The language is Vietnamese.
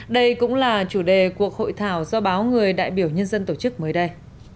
đây cũng là chủ đề cuộc hội thảo do báo người đại biểu nhân dân tổ chức mới đây